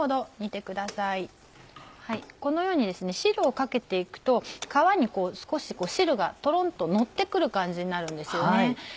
このように汁をかけて行くと皮に少し汁がトロンとのって来る感じになるんですよね。